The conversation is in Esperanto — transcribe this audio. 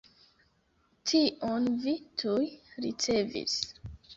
Tion vi tuj ricevis.